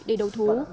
để đấu thú